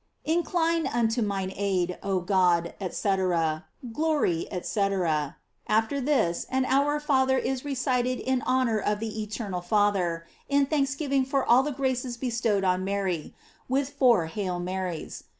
INCLINE unto mine aid, oh God, &c. Glory, &c. After this, an "Our Father" is recited in honor of the Eternal Father, in thanksgiving for all the graces bestowed on Mary; with four "Hail Marys."